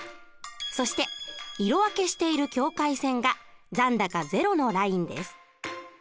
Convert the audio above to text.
そして色分けしている境界線が残高ゼロのラインです。